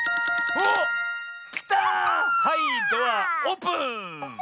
はいドアオープン！